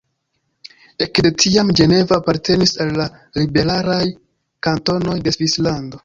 Ek de tiam Ĝenevo apartenis al la liberalaj kantonoj de Svislando.